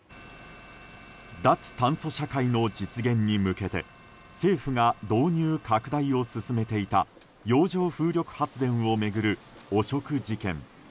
脱炭素社会の実現に向けて政府が導入・拡大を進めていた洋上風力発電を巡る汚職事件。